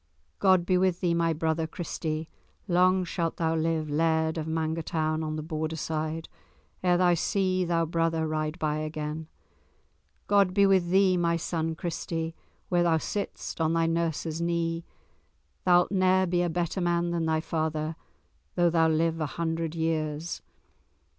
God be with thee, my brother Christy, long shalt thou live Laird of Mangertown on the Border side ere thou see thy brother ride by again. God be with thee, my son Christy, where thou sitst on thy nurse's knee; thou'lt ne'er be a better man than thy father, though thou live a hundred years.